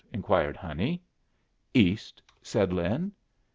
inquired Honey. "East," said Lin.